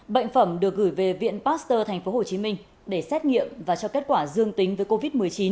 bệnh phẩm được gửi về viện pasteur tp hcm để xét nghiệm và cho kết quả dương tính với covid một mươi chín